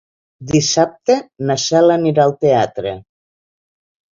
Dissabte na Cel anirà al teatre.